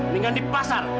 mendingan di pasar